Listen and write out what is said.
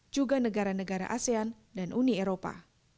juga negara negara asean dan uni eropa